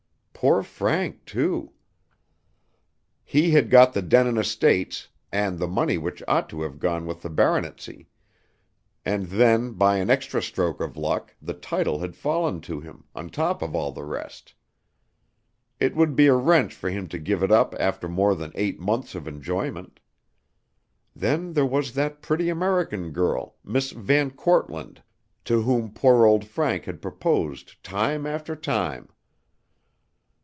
Poor Frank, too! He had got the Denin estates and the money which ought to have gone with the baronetcy, and then by an extra stroke of luck the title had fallen to him, on top of all the rest. It would be a wrench for him to give it up after more than eight months of enjoyment. Then there was that pretty American girl, Miss VanKortland, to whom poor old Frank had proposed time after time.